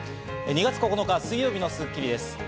２月９日、水曜日の『スッキリ』です。